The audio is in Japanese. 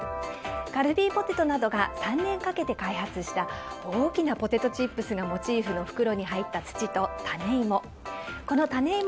カルビーポテトなどが３年かけて開発した大きなポテトチップスがモチーフの袋に入った土と種芋。